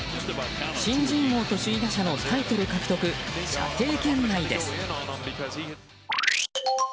新人王と首位打者のタイトル獲得射程圏内です。